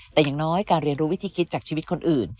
แต่อย่างน้อยการเรียนรู้วิธีคิดจากชีวิตคนอื่น